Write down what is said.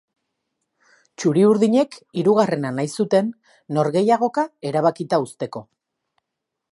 Txuri-urdinek hirugarrena nahi zuten norgehiagoka erabakita uzteko.